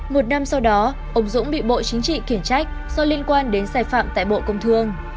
một năm sau đó ông dũng bị bộ chính trị kiển trách do liên quan đến sai phạm tại bộ công thương